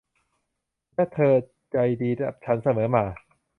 และเธอใจดีกับฉันเสมอมา